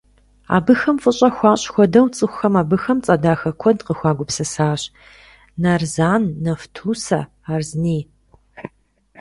Абыхэм фӀыщӀэ хуащӀ хуэдэу цӀыхухэм абыхэм цӀэ дахэ куэд къыхуагупсысащ: «Нарзан», «Нафтусэ», «Арзни».